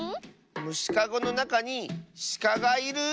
むしかごのなかにしかがいる。